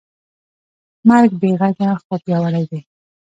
مرګ بېغږه خو پیاوړی دی.